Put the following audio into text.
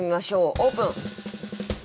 オープン。